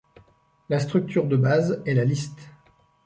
La structure de base est la liste.